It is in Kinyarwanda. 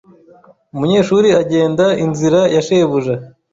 Umunyeshuri agenda inzira ya shebuja